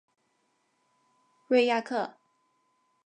瑞亚克。